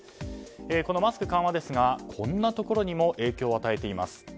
このマスク緩和ですがこんなところにも影響を与えています。